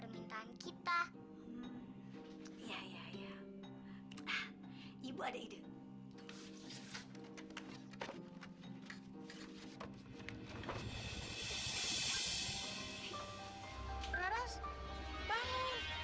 dengan korek api